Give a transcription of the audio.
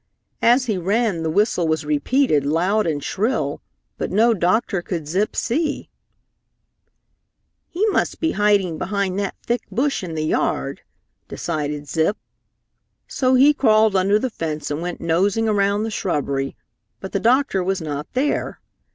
As he ran the whistle was repeated loud and shrill, but no doctor could Zip see. "He must be hiding behind that thick bush in the yard," decided Zip. So he crawled under the fence and went nosing around the shrubbery, but the doctor was not there.